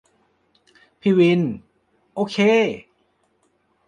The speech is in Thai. พี่วิน : โอเค